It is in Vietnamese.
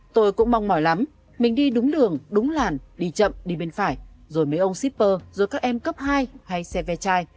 tôi cũng mong mỏi lắm mình đi đúng đường đúng làn đi chậm đi bên phải rồi mấy ông shipper rồi các em cấp hai hay xe ve chai